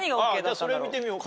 それ見てみようか。